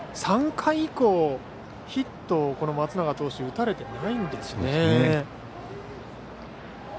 ３回以降、ヒットをこの松永投手は打たれていないんですよね。